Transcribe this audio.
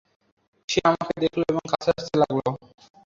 সে আমাকে দেখলো এবং কাছে আসতে লাগলো।